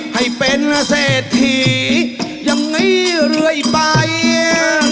ให้เป็นเสถียังไงเรื่อยไป